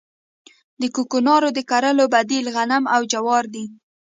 د کوکنارو د کرلو بدیل غنم او جوار دي